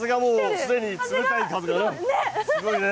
すでに冷たい風が、すごいね。